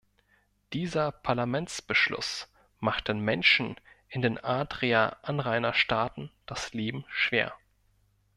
Dieser Parlamentsbeschluss macht den Menschen in den Adria-Anrainerstaaten das Leben schwer.